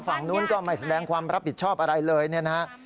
ฝั่งนู้นก็ไม่แสดงความรับผิดชอบอะไรเลยเนี่ยนะฮะ